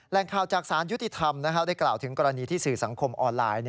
ข่าวจากสารยุติธรรมได้กล่าวถึงกรณีที่สื่อสังคมออนไลน์